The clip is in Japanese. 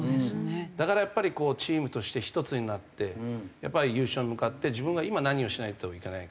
だからやっぱりチームとして一つになってやっぱり優勝に向かって自分が今何をしないといけないか。